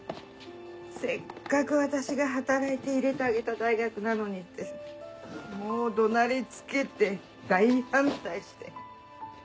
せっかく私が働いて入れてあげた大学なのにってもう怒鳴りつけて大反対して。